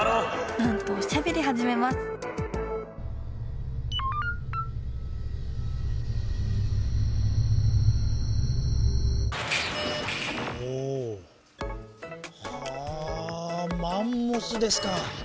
なんとおしゃべりはじめますはあマンモスですか。